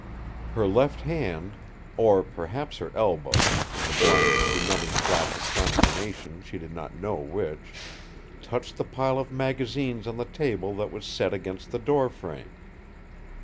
Her left hand or, perhaps, her elbow; in the blinding, benumbing flash of consternation, she did not know which touched the pile of magazines on the table that was set against the door frame.